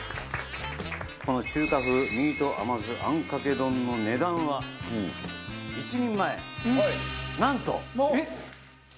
この中華風ミート甘酢あんかけ丼の値段は１人前。